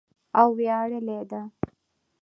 او ویاړلې ده.